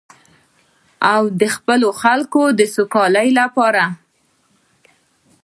او د خپلو خلکو د سوکالۍ لپاره.